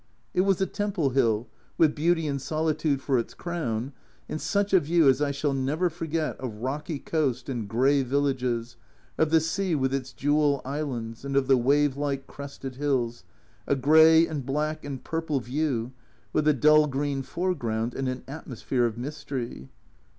It was a Temple hill, with beauty and solitude for its crown, and such a view as I shall never forget of rocky coast and grey villages, of the sea with its jewel islands, and of the wave like crested hills, a grey and black and purple view, with a dull green foreground and an atmosphere of mystery.